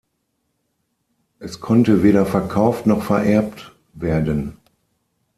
Es konnte weder verkauft noch vererbt werden.